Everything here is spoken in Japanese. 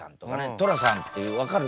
寅さんっていう分かる？